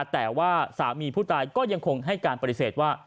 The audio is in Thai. แต่ว่าสามีผู้ตายก็ยังคงให้การปฏิเสธว่า